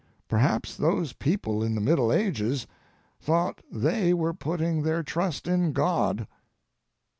Perhaps those people in the Middle Ages thought they were putting their trust in God.